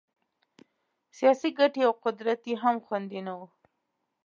سیاسي ګټې او قدرت یې هم خوندي نه وو.